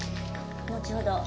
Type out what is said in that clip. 後ほど。